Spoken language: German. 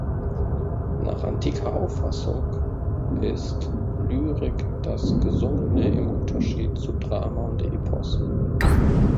Nach antiker Auffassung ist Lyrik das Gesungene im Unterschied zu Drama und Epos.